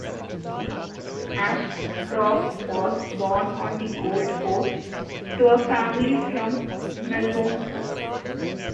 Ashcroft was born on the Gold Coast to a family from Melbourne.